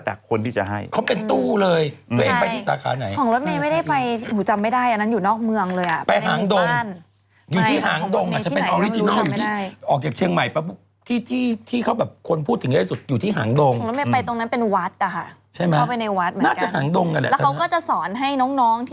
พญานาคเนี่ยมาอาศัยอยู่ในหมู่บ้าน